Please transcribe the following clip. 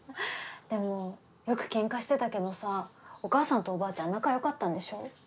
でもよくケンカしてたけどさお母さんとおばあちゃん仲よかったんでしょ？